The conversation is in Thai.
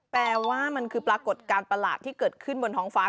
แปลว่ามันคือปรากฏการณ์ประหลาดที่เกิดขึ้นบนท้องฟ้า